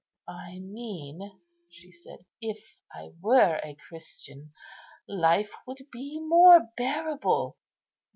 "I mean," she said, "if I were a Christian, life would be more bearable."